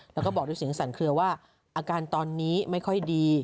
แล้วก็บอกด้วยเสียงสั่นเคลือว่าอาการตอนนี้ไม่ค่อยดี